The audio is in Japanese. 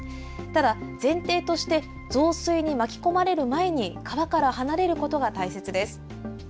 ただ、前提として増水に巻き込まれる前に川から離れることが大切です。